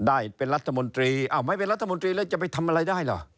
ได้เป็นรัฐมนตรีอ้าวไม่เป็นรัฐมนตรีแล้วจะไปทำอะไรได้ล่ะ